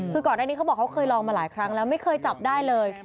คือก่อนอันนี้เขาบอกเขาเคยลองมาหลายครั้งแล้วไม่เคยจับได้เลย